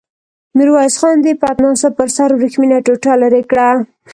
ميرويس خان د پتناسه پر سر ورېښمينه ټوټه ليرې کړه.